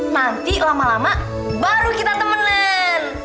nanti lama lama baru kita temenin